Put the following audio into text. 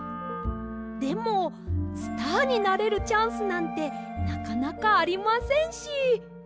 でもスターになれるチャンスなんてなかなかありませんし。